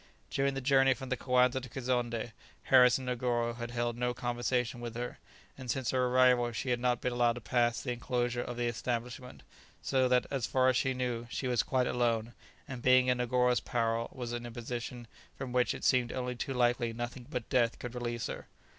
During the journey from the Coanza to Kazonndé, Harris and Negoro had held no conversation with her, and since her arrival she had not been allowed to pass the inclosure of the establishment, so that, as far as she knew, she was quite alone, and being in Negoro's power, was in a position from which it seemed only too likely nothing but death could release her.